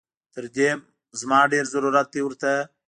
دې ما ډېر ضرورت دی ورته